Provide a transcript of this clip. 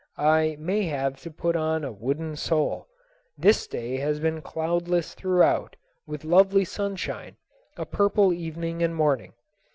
I may have to put on a wooden sole. This day has been cloudless throughout, with lovely sunshine, a purple evening and morning.